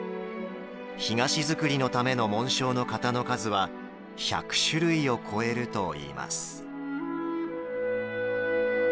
干菓子作りのための紋章の型の数は１００種類を越えるといいます。